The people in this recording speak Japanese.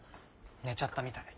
寝ちゃったみたい。